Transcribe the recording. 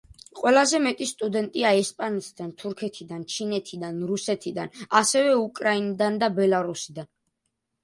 ყველაზე მეტი სტუდენტია ესპანეთიდან, თურქეთიდან, ჩინეთიდან, რუსეთიდან, ასევე უკრაინიდან და ბელარუსიდან.